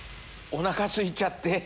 お腹すいちゃって。